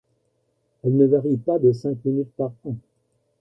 Elle ne varie pas de cinq minutes par an.